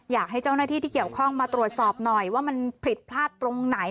อยากให้เจ้าหน้าที่ที่เกี่ยวข้องมาตรวจสอบหน่อยว่ามันผิดพลาดตรงไหน